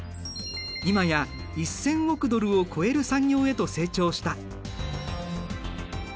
今や１，０００億ドルを超える産業へと成長した。